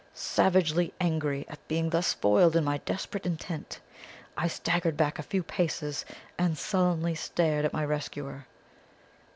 Savagely angry at being thus foiled in my desperate intent, I staggered back a few paces and sullenly stared at my rescuer.